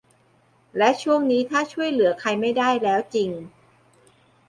และช่วงนี้ถ้าช่วยเหลือใครไม่ได้แล้วจริง